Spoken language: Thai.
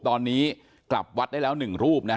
ตอนนี้กลับวัดได้แล้ว๑รูปนะฮะ